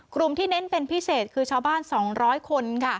กลุ่มที่เน้นเป็นพิเศษคือชาวบ้าน๒๐๐คน